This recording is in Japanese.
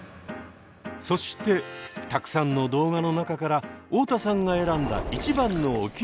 そしてたくさんの動画の中から太田さんが選んだ一番のお気に入りは？